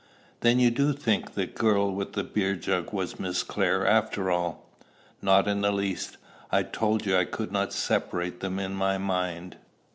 "Then you do think the girl with the beer jug was Miss Clare, after all?" "Not in the least. I told you I could not separate them in my mind."